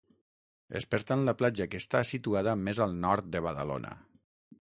És, per tant, la platja que està situada més al nord de Badalona.